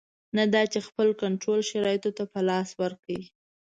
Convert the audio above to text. نه دا چې خپل کنټرول شرایطو ته په لاس ورکړي.